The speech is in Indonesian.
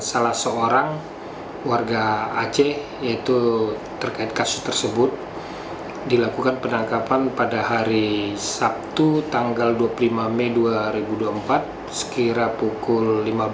salah seorang warga aceh yaitu terkait kasus tersebut dilakukan penangkapan pada hari sabtu tanggal dua puluh lima mei dua ribu dua puluh empat sekira pukul lima belas